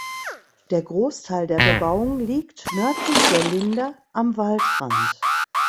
Der Großteil der Bebauung liegt nördlich der Linder am Waldrand.